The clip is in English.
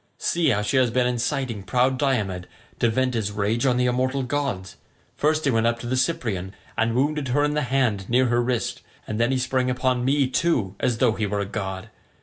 See how she has been inciting proud Diomed to vent his rage on the immortal gods. First he went up to the Cyprian and wounded her in the hand near her wrist, and then he sprang upon me too as though he were a god.